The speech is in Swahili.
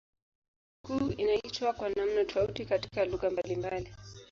Jumamosi kuu inaitwa kwa namna tofauti katika lugha mbalimbali.